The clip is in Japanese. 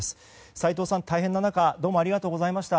斎藤さん、大変な中ありがとうございました。